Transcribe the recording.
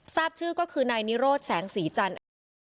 ทราบชื่อก็คือนายนิโรธแสงสีจันทร์อายุ๗๒